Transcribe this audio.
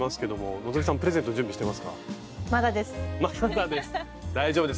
「まだです」。